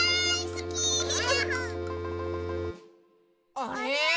あれ？